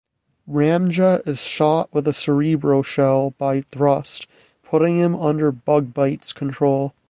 Ramjet is shot with a cerebro shell by Thrust, putting him under Bugbite's control.